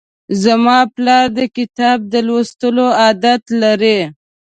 زما پلار د کتاب د لوستلو عادت لري.